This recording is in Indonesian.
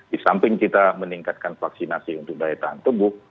di samping kita meningkatkan vaksinasi untuk daya tahan tubuh